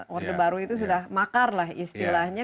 orde baru itu sudah makar lah istilahnya